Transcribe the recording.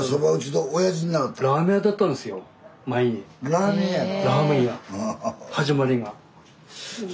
ラーメン屋なの。